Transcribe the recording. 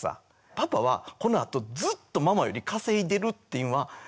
パパはこのあとずっとママより稼いでるっていうのは前提ないですよね。